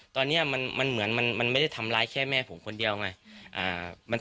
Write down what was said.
ตอนนี้มันเหมือนมันไม่ได้ทำร้ายแค่แม่ผมคนเดียวไง